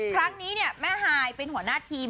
ครั้งนี้เนี่ยแม่ฮายเป็นหัวหน้าทีม